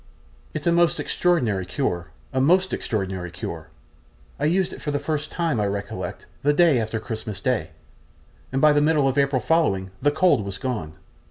It's a most extraordinary cure a most extraordinary cure. I used it for the first time, I recollect, the day after Christmas Day, and by the middle of April following the cold was gone.